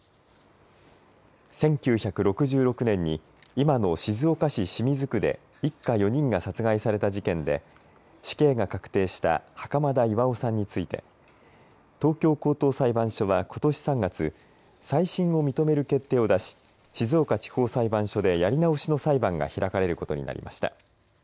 １９６６年に今の静岡市清水区で一家４人が殺害された事件で死刑が確定した袴田巌さんについて東京高等裁判所はことし３月再審を認める決定を出し静岡地方裁判所でやり直しの裁判が開かれることになりました。